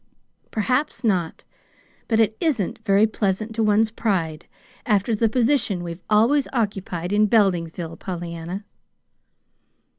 "Perhaps not; but it isn't very pleasant to one's pride, after the position we've always occupied in Beldingsville, Pollyanna."